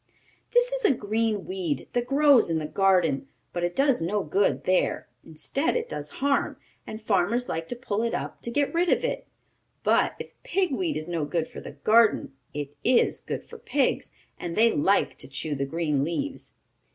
This is a green weed that grows in the garden, but it does no good there. Instead it does harm, and farmers like to pull it up to get rid of it. But, if pig weed is no good for the garden, it is good for pigs, and they like to chew the green leaves.